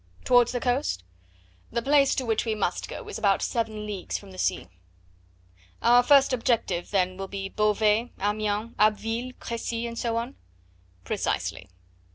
"Towards the coast?" "The place to which we must go is about seven leagues from the sea." "Our first objective then will be Beauvais, Amiens, Abbeville, Crecy, and so on?" "Precisely."